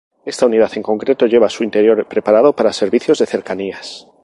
Esta unidad en concreto lleva su interior preparado para servicios de cercanías.